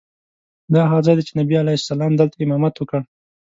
دا هغه ځای دی چې نبي علیه السلام دلته امامت وکړ.